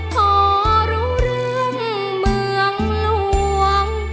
พอรู้เรื่องเมืองหลวง